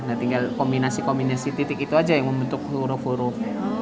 nah tinggal kombinasi kombinasi titik itu aja yang membentuk huruf huruf